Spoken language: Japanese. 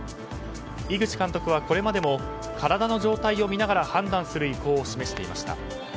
井口監督はこれまでの体の状態を見ながら判断する意向を示していました。